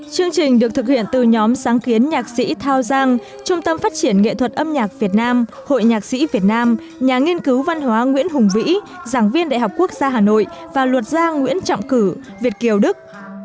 chương trình được thực hiện từ nhóm sáng kiến nhạc sĩ thao giang trung tâm phát triển nghệ thuật âm nhạc việt nam hội nhạc sĩ việt nam nhà nghiên cứu văn hóa nguyễn hùng vĩ giảng viên đại học quốc gia hà nội và luật gia nguyễn trọng cử việt kiều đức